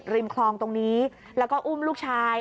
คลองตรงนี้แล้วก็อุ้มลูกชาย